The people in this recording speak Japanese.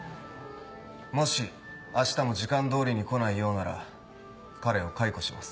もしあしたも時間通りに来ないようなら彼を解雇します。